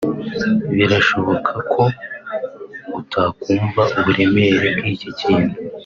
Birashoboka ko utakumva uburemere bw'iki kintu